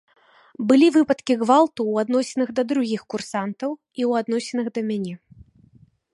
Былі выпадкі гвалту ў адносінах да другіх курсантаў і ў адносінах да мяне.